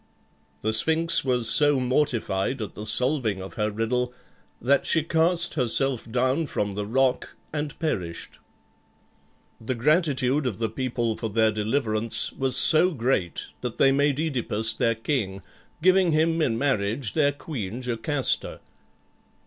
The Sphinx was so mortified at the solving of her riddle that she cast herself down from the rock and perished. The gratitude of the people for their deliverance was so great that they made OEdipus their king, giving him in marriage their queen Jocasta.